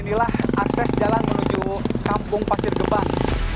inilah akses jalan menuju kampung pasir gebang